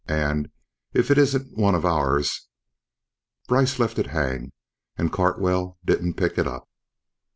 And, if it isn't one of ours..." Brice left it hang and Cartwell didn't pick it up.